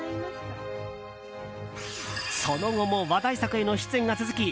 その後も話題作への出演が続き